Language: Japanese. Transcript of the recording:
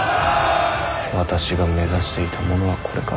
私が目指していたものはこれか？